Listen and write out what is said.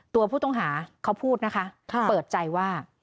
ตัวผู้ต้องหาเขาพูดนะคะเปิดใจว่า